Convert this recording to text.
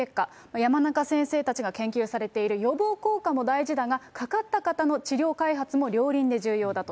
山中先生たちが研究されている予防効果も大事だが、かかった方の治療開発も両輪で重要だと。